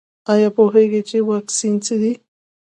ایا پوهیږئ چې واکسین څه دی؟